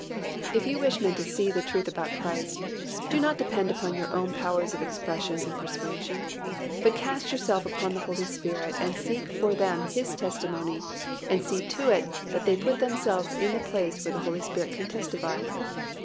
If you wish men to see the truth about Christ, do not depend upon your own powers of expression and persuasion, but cast yourself upon the Holy Spirit and seek for them His testimony and see to it that they put themselves in the place where the Holy Spirit can testify.